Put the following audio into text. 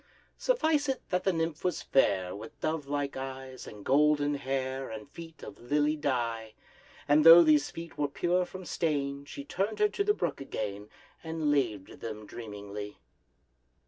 Suffice it that the nymph was fair, With dove like eyes, and golden hair, And feet of lily dye: And, though these feet were pure from stain, She turned her to the brook again, And laved them dreamingly.